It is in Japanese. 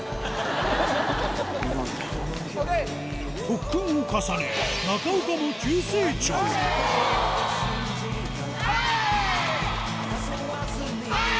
特訓を重ね中岡もはい！